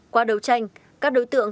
qua đấu tranh các đối tượng